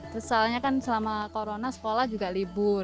terus soalnya kan selama corona sekolah juga libur